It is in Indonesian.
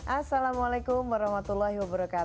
assalamualaikum wr wb